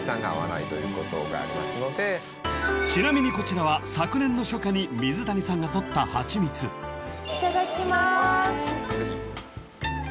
［ちなみにこちらは昨年の初夏に水谷さんが採ったハチミツ］いただきます。